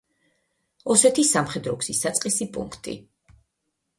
ოსეთის სამხედრო გზის საწყისი პუნქტი.